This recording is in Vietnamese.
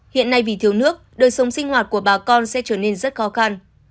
hiện nay vì thiếu nước đời sống sinh hoạt của bà con sẽ trở nên rất khó khăn